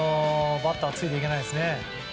バッターついていけないですね。